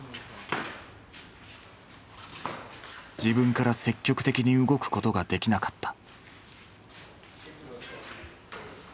自分から積極的に動くことができなかった。